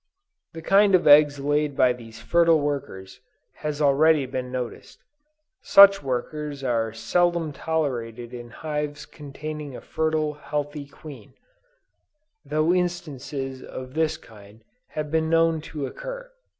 The kind of eggs laid by these fertile workers, has already been noticed. Such workers are seldom tolerated in hives containing a fertile, healthy queen, though instances of this kind have been known to occur.